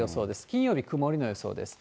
金曜日、曇りの予想です。